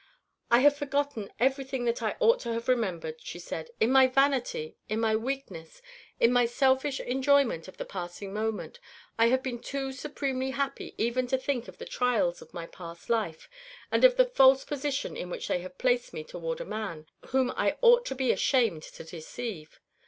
"I have forgotten everything that I ought to have remembered," she said. "In my vanity, in my weakness, in my selfish enjoyment of the passing moment, I have been too supremely happy even to think of the trials of my past life, and of the false position in which they have placed me toward a man, whom I ought to be ashamed to deceive.